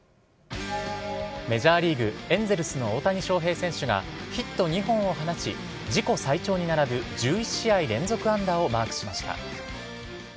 メジャーリーグ・エンゼルスの大谷翔平選手がヒット２本を放ち、自己最長に並ぶ１１試合連続安打をマークしました。